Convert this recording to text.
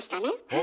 え？